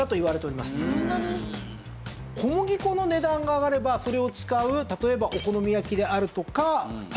小麦粉の値段が上がればそれを使う例えばお好み焼きであるとかパスタ